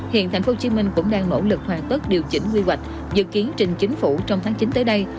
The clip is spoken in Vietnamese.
hiện tp hcm cũng đang nỗ lực hoàn tất điều chỉnh quy hoạch dự kiến trình chính phủ trong tháng chín tới đây